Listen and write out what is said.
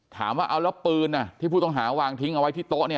ถามว่าเอาแล้วปืนที่ผู้ต้องหาวางทิ้งเอาไว้ที่โต๊ะเนี่ย